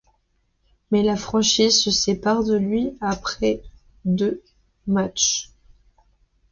Mais la franchise se sépare de lui après deux matches.